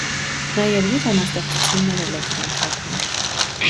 Նա, երևի, բանաստեղծություններ էլ է գրում թաքուն…